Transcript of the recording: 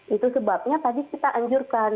itu sebabnya tadi kita anjurkan